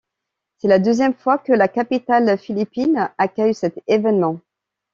C'est la deuxième fois que la capitale philippine accueille cet événement.